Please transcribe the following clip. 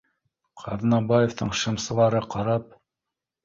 Ҡаҙнабаевтың шымсылары ҡарап